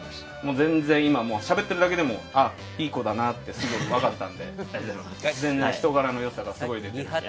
今、しゃべってるだけでもいい子だなってすごい分かったので全然、人柄の良さがすごい出てるから。